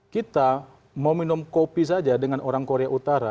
kita mau minum kopi saja dengan orang korea utara